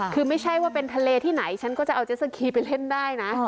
คือไม่ใช่ว่าเป็นทะเลที่ไหนฉันก็จะเอาเจสสคีไปเล่นได้นะ